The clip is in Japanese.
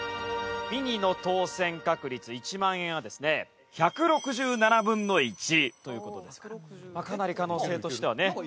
ミニの当せん確率１万円はですね１６７分の１という事ですからかなり可能性としてはね。